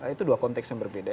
itu dua konteks yang berbeda